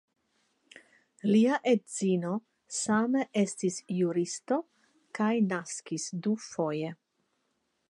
Lia edzino same estis juristo kaj naskis dufoje.